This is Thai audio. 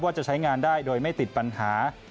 จะใช้งานได้โดยไม่ติดปัญหา